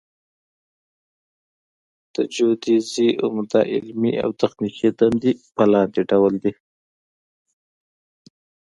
د جیودیزي عمده علمي او تخنیکي دندې په لاندې ډول دي